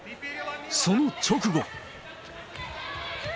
その直後。